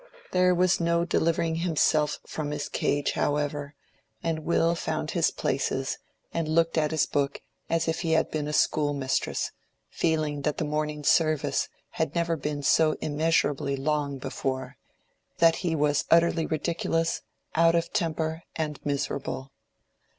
There was no delivering himself from his cage, however; and Will found his places and looked at his book as if he had been a school mistress, feeling that the morning service had never been so immeasurably long before, that he was utterly ridiculous, out of temper, and miserable.